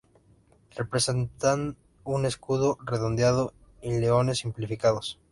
Representa un escudo redondeado y leones simplificados.